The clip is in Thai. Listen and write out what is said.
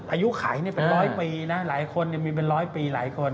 อายุขายเป็นร้อยปีนะหลายคนมีเป็นร้อยปีหลายคน